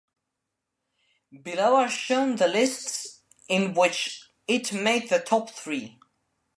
Below are shown the lists in which it made the top three.